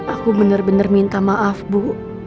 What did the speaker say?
aku bener bener minta maaf bu